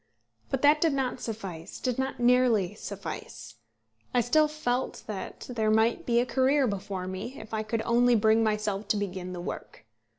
But that did not suffice, did not nearly suffice. I still felt that there might be a career before me, if I could only bring myself to begin the work.